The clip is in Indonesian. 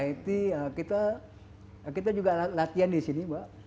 it kita juga latihan di sini mbak